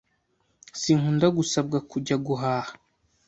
Sinkunda gusabwa kujya guhaha.